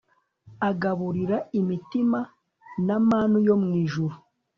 agaburira imitima na manu yo mwijuru